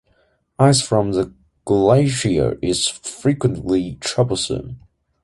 Ice from the glaciers is frequently troublesome.